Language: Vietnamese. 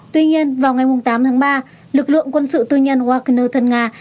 tuy nhiên vào ngày tám tháng ba lực lượng quân sự tư nhân wagenner thân nga